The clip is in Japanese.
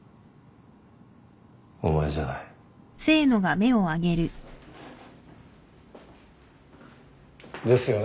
お前じゃない。ですよね？